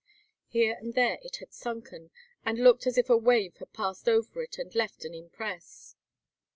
Here and there it had sunken, and looked as if a wave had passed over it and left an impress.